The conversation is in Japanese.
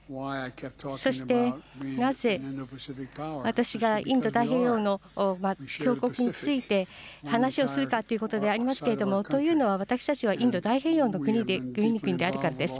そしてなぜ私がインド太平洋の強国について話をするかということでありますけれども、というのは、私たちはインド太平洋の国々であるからです。